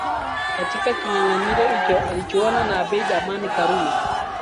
Katika kinyanganyiro icho alichuana na Abeid Amani Karume